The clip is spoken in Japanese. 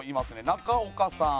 中岡さん